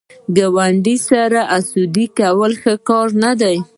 ګاونډي سره حسد کول ښه کار نه دی